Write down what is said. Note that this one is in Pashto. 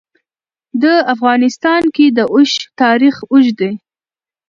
په افغانستان کې د اوښ تاریخ اوږد دی.